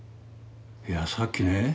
いやさっきね